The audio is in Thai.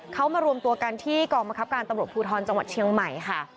เขามารวมตัวกันที่กองบังคับการตำรวจภูทรจังหวัดเชียงใหม่ค่ะ